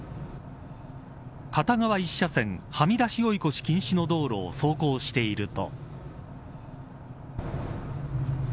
片側１車線、はみ出し追い越し禁止の道路を走行していると。